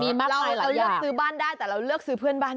เราเลือกซื้อบ้านได้แต่เราเลือกซื้อเพื่อนบ้าน